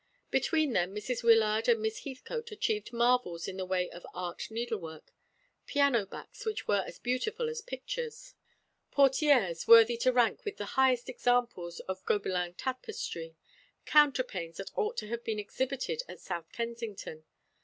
Between them Mrs. Wyllard and Miss Heathcote achieved marvels in the way of art needlework piano backs which were as beautiful as pictures, portières worthy to rank with the highest examples of Gobelin tapestry, counterpanes that ought to have been exhibited at South Kensington.